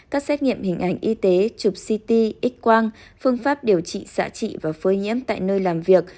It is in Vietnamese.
các xét nghiệm hình ảnh y tế chụp ct x quang phương pháp điều trị xạ trị và phơi nhiễm tại nơi làm việc